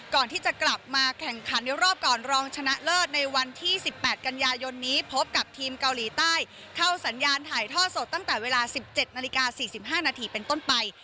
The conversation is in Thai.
ก่อนที่จะกลับมาแข่งขันในรอบก่อนรองชนะเลิศในวันที่๑๘กันยายนนี้พบกับทีมเกาหลีใต้เข้าสัญญาณถ่ายท่อสดตั้งแต่เวลา๑๗นาฬิกา๔๕นาทีเป็นต้นไป